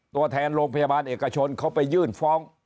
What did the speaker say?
ตัวแทนโรงพยาบาลเอกชนเขาไปยื่นฟ้อง